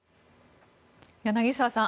柳澤さん